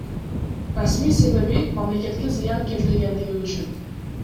Расмий себеби — мамлекетке зыян келтиргендиги үчүн.